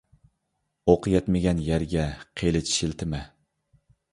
ئوق يەتمىگەن يەرگە قېلىچ شىلتىمە.